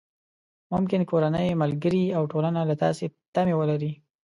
ممکن کورنۍ، ملګري او ټولنه له تاسې تمې ولري.